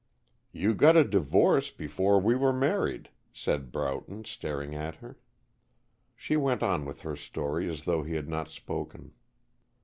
"You got a divorce before we were married," said Broughton, staring at her. She went on with her story as though he had not spoken.